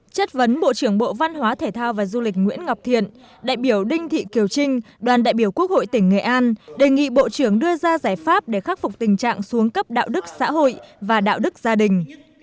chất vấn bộ trưởng bộ văn hóa thể thao và du lịch nguyễn ngọc thiện đại biểu đinh thị kiều trinh đoàn đại biểu quốc hội tỉnh nghệ an đề nghị bộ trưởng đưa ra giải pháp để khắc phục tình trạng xuống cấp đạo đức xã hội và đạo đức gia đình